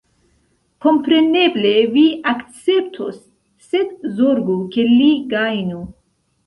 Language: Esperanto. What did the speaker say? Kompreneble vi akceptos, sed zorgu, ke li gajnu.